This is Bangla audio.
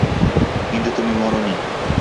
কিন্তু তুমি মরোনি।